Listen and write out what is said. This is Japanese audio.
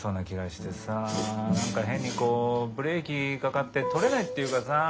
何か変にこうブレーキかかって撮れないっていうかさ。